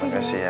terima kasih ya